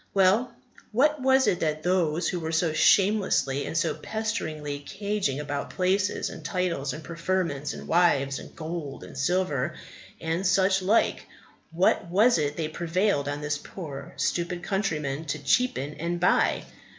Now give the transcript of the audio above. Well, what was it that those who were so shamelessly and so pesteringly cadging about places, and titles, and preferments, and wives, and gold, and silver, and such like what was it they prevailed on this poor stupid countryman to cheapen and buy?